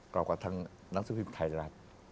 กล่อกว่าทางนักศึกภีร์ไทยรัฐ